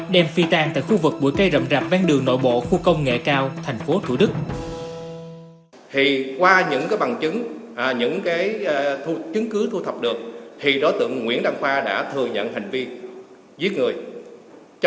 đem phi tan tại khu vực buổi cây rậm rạp ven đường nội bộ khu công nghệ cao thành phố thủ đức